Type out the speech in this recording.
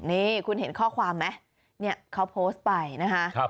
นี่คุณเห็นข้อความไหมเนี่ยเขาโพสต์ไปนะคะ